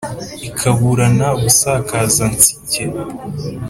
ikaburana busakaza-nsike